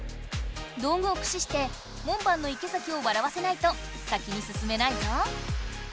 道具を駆使して門番の池崎を笑わせないと先にすすめないぞ！